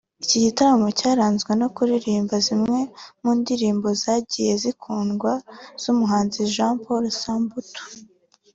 Iki gitaramo cyaranzwe no kuririmba zimwe mu ndirimbo zagiye zikundwa z’umuhanzi Jean Paul Samputu